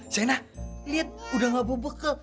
shayna lihat udah nggak bobok bokok